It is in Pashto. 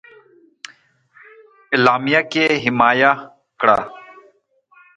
اعلامیه کې حمایه کړه.